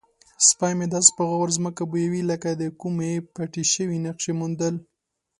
سپی مې داسې په غور ځمکه بویوي لکه د کومې پټې شوې نقشې موندل.